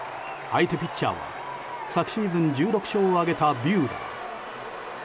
相手ピッチャーは昨シーズン１６勝を挙げたビューラー。